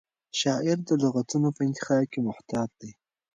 شاعر د لغتونو په انتخاب کې محتاط دی.